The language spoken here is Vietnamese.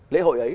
lễ hội ấy